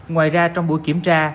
ngoài ra trong buổi kiểm tra